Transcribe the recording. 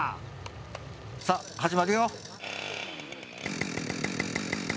さあ、始まるよ。